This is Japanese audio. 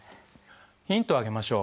ヒントをあげましょう。